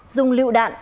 dùng lựu đạn